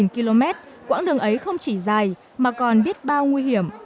hai km quãng đường ấy không chỉ dài mà còn biết bao nguy hiểm